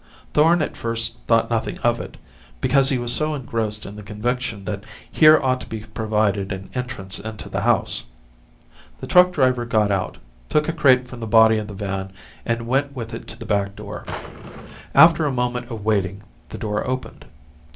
Thorn at first thought nothing of it, because he was so engrossed in the conviction that here ought to be provided an entrance into the house. The truck driver got out, took a crate from the body of the van, and went with it to the back door. After a moment of waiting, the door opened.